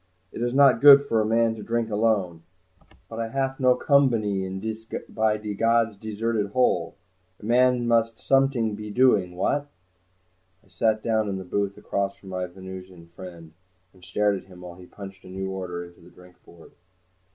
"It is not good for a man to drink alone. But I haf no combany in dis by de gods deserted hole. A man must somet'ing be doing, what?" I sat down in the booth across from my Venusian friend, and stared at him while he punched a new order into the drinkboard.